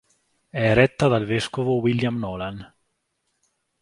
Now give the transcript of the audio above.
È retta dal vescovo William Nolan.